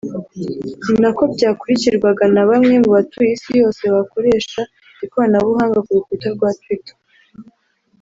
ni nako byakurikirwaga na bamwe mu batuye isi yose bakoresha ikoranabuhanga ku rukuta rwa Twitter